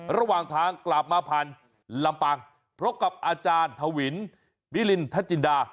ระหว่างทางกลับมาผ่านลำปางพบกับอาจารย์ทวินมิลินทจินดา